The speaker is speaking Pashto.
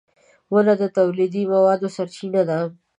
• ونه د تولیدي موادو سرچینه ده.